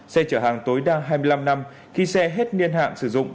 xe chở hàng tối đa hai mươi năm năm khi xe hết niên hạn sử dụng